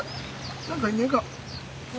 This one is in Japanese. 何かいねえか。